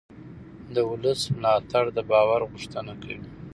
د ولس ملاتړ د باور غوښتنه کوي